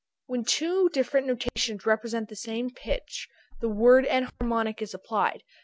When two different notations represent the same pitch, the word enharmonic is applied.